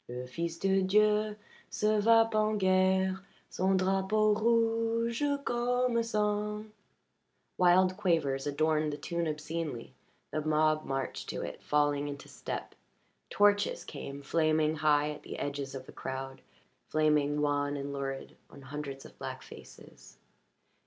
"Le fils de Dieu se va Pen guerre Son drapeau rouge comme sang." Wild quavers adorned the tune obscenely; the mob marched to it, falling into step. Torches came, flaming high at the edges of the crowd, flaming wan and lurid on hundreds of black faces.